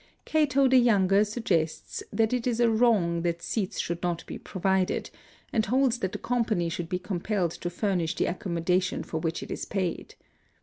Cato the younger suggests that it is a wrong that seats should not be provided, and holds that the company should be compelled to furnish the accommodation for which it is paid.